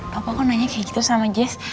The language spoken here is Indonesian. papa kok nanya kayak gitu sama jazz